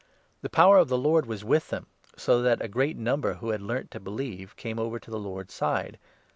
The power of the Lord was with 21 them, so that a great number who had learnt to believe came over to the Lord's side.